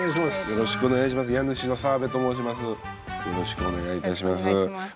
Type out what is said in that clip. よろしくお願いします。